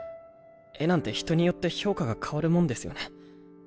絵なんて人によって評価が変わるもんですよね。